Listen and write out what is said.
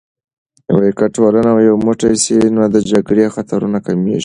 که ټولنه یو موټی سي، نو د جګړې خطرونه کمېږي.